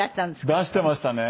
出してましたね。